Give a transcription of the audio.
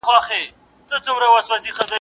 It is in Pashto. o د سوال په اوبو ژرنده نه گرځي.